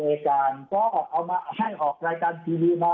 หรือคุณจะเปิดแล้วไว้ใจอายการก็เอามาให้ออกรายการทีวีมา